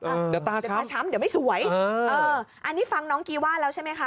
เดี๋ยวตาจะตาช้ำเดี๋ยวไม่สวยเอออันนี้ฟังน้องกีว่าแล้วใช่ไหมคะ